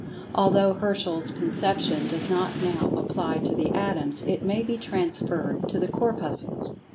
Although Herschel's conception does not now apply to the Atoms, it may be transferred to the Corpuscles.